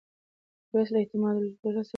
میرویس له اعتمادالدولة سره خپل ارتباط ټینګ وساته.